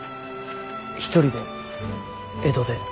一人で江戸で。